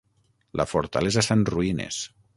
La fortalesa està en ruïnes.